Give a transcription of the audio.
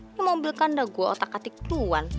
ini mobil kan udah gue otak atik duluan